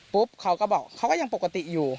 เขาก็บอกเขาก็ยังปกติอยู่